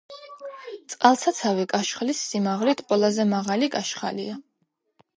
წყალსაცავი კაშხლის სიმაღლით, ყველაზე მაღალი კაშხალია.